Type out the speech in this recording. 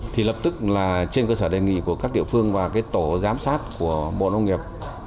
thì lập tức là trên cơ sở đề nghị của các địa phương và cái tổ giám sát của bộ nông nghiệp